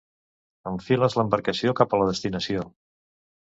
Enfiles l'embarcació cap a la destinació.